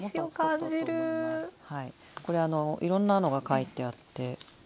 これあのいろんなのが書いてあって。